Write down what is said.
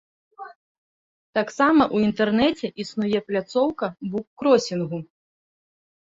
Таксама ў інтэрнэце існуе пляцоўка буккросінгу.